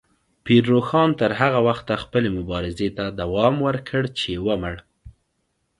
پیر روښان تر هغه وخته خپلې مبارزې ته دوام ورکړ چې ومړ.